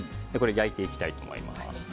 これを焼いていきたいと思います。